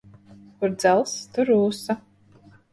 Kur dzelzs, tur rūsa.